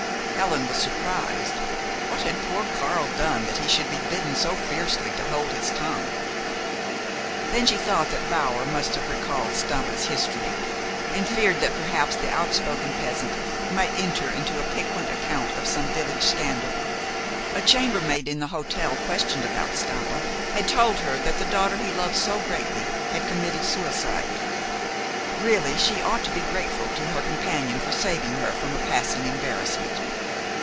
Helen was surprised. What had poor Karl done that he should be bidden so fiercely to hold his tongue? Then she thought that Bower must have recalled Stampa's history, and feared that perhaps the outspoken peasant might enter into a piquant account of some village scandal. A chambermaid in the hotel, questioned about Stampa, had told her that the daughter he loved so greatly had committed suicide. Really, she ought to be grateful to her companion for saving her from a passing embarrassment.